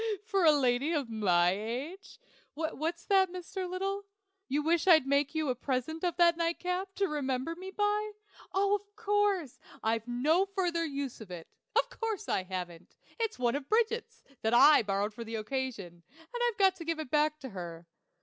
for a lady of my age? What's that, Mr. Little? You wish I'd make you a present of that nightcap, to remember me by? Of course; I've no further use for it. Of course I haven't. It's one of Bridget's, that I borrowed for the occasion, and I've got to give it back to her.